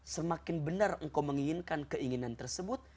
semakin benar engkau menginginkan keinginan tersebut